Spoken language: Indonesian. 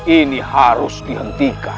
ini harus dihentikan